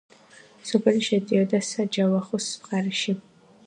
სოფელი შედიოდა საჯავახოს მხარეში.